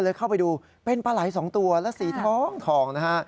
เข้าไปดูเป็นปลาไหลสองตัวและสีทองทองนะฮะ